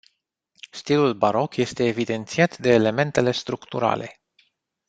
Stilul baroc este evidențiat de elementele structurale.